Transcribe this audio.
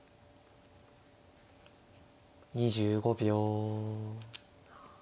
２５秒。